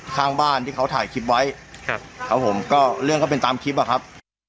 ข้างบ้านที่เขาถ่ายคลิปไว้ครับครับผมก็เรื่องก็เป็นตามคลิปอะครับ